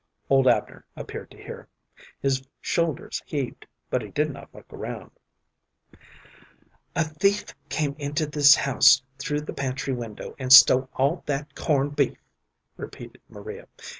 Old Abner appeared to hear. His shoulders heaved, but he did not look around. "A thief came into this house through the pantry window, and stole all that corn' beef," repeated Maria.